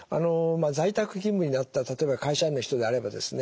在宅勤務になった例えば会社員の人であればですね